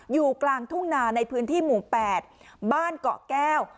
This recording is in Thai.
อยู่กลางทุ่งนาในพื้นที่หมู่๘บ้านเกาะแก้ว